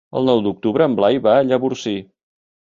El nou d'octubre en Blai va a Llavorsí.